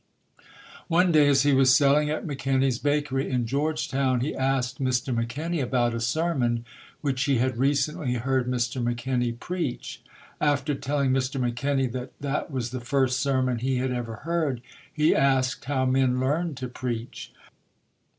One day as he was selling at McKenny's bakery in Georgetown, he asked Mr. McKenny about a sermon which he had recently heard Mr. Mc Kenny preach. After telling Mr. McKenny that that was the first sermon he had ever heard, he asked how men learned to preach.